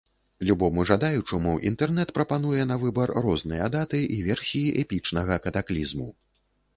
Любому жадаючаму інтэрнэт прапануе на выбар розныя даты і версіі эпічнага катаклізму.